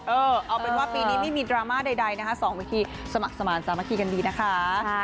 เอาเป็นว่าปีนี้ไม่มีดราม่าใดนะคะ๒วิธีสมัครสมาธิสามัคคีกันดีนะคะ